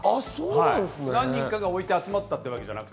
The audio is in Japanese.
何人かが置いて集まったわけではなく。